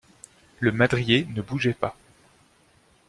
Le madrier ne bougeait pas.